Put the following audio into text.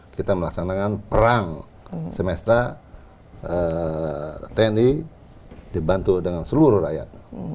kita melaksanakan perang semesta tni dibantu dengan seluruh rakyat